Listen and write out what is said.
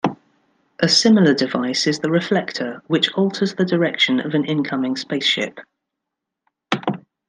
A similar device is the reflector, which alters the direction of an incoming spaceship.